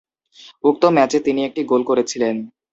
উক্ত ম্যাচে তিনি একটি গোল করেছিলেন।